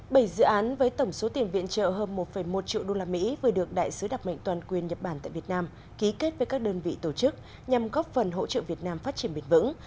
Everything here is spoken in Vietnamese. bảy dự án với tổng số tiền viện trợ hơn một một triệu usd vừa được đại sứ đặc mệnh toàn quyền nhật bản tại việt nam ký kết với các đơn vị tổ chức nhằm góp phần hỗ trợ việt nam phát triển bền vững